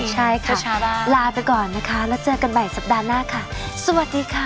ใช่ค่ะลาไปก่อนนะคะแล้วเจอกันใหม่สัปดาห์หน้าค่ะสวัสดีค่ะ